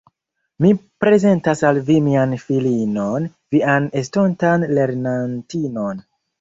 Mi prezentas al vi mian filinon, vian estontan lernantinon.